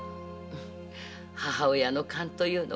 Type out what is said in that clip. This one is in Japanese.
母親の勘というのかしら。